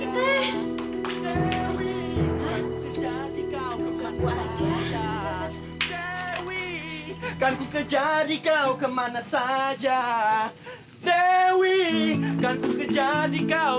dewi kan ku kejadi kau kemana saja dewi kan ku kejadi kau kemana saja dewi kan ku kejadi kau